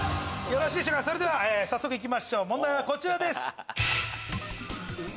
それでは早速いきましょう問題はこちらです。